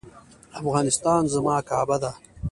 افغانستان زما کعبه ده